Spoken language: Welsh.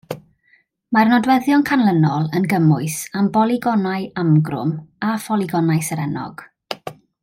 Mae'r nodweddion canlynol yn gymwys am bolygonau amgrwm a pholygonau serennog.